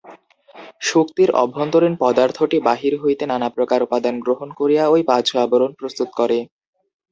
শুক্তির অভ্যন্তরীণ পদার্থটি বাহির হইতে নানাপ্রকার উপাদান গ্রহণ করিয়া ঐ বাহ্য আবরণ প্রস্তুত করে।